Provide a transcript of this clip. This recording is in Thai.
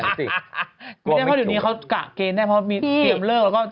ไม่ได้เพราะเดี๋ยวนี้เขากะเกณฑ์ได้เพราะมีเตรียมเลิกแล้วก็